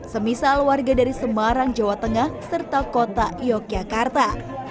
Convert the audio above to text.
semisal warga dari semarang jawa tengah serta kota yogyakarta